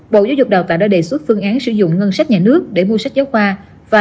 bộ giáo dục đào tạo đã đề xuất phương án sử dụng ngân sách nhà nước để mua sách giáo khoa